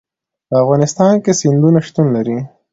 په افغانستان کې سیندونه شتون لري.